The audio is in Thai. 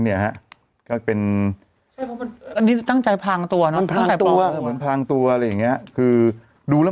เนี่ยก็เป็นนี้ตั้งใจพองตัวใจพร้อมพังตัวอะไรคือดูแล้ว